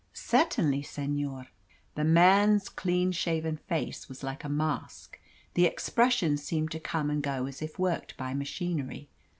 "Certainly, senor." The man's clean shaven face was like a mask. The expressions seemed to come and go as if worked by machinery.